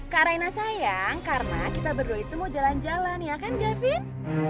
kak raina sayang karena kita berdua itu mau jalan jalan ya kan gavin